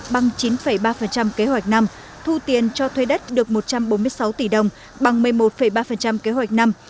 bằng chín ba kế hoạch năm thu tiền cho thuê đất được một trăm bốn mươi sáu tỷ đồng bằng một mươi một ba kế hoạch năm